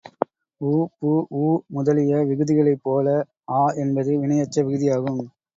உ, பு, ஊ முதலிய விகுதிகளைப் போல ஆ என்பதும் வினையெச்ச விகுதியாகும்.